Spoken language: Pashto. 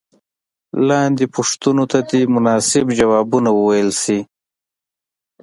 لاندې پوښتنو ته دې مناسب ځوابونه وویل شي.